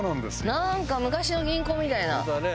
なんか昔の銀行みたいな。